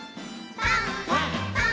パン！